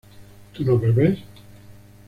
¿tú no bebes?